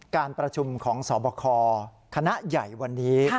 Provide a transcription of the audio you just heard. การประชุมของสบคคณะใหญ่วันนี้